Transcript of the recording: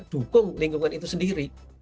dukung lingkungan itu sendiri